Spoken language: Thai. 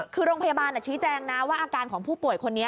คือโรงพยาบาลชี้แจงนะว่าอาการของผู้ป่วยคนนี้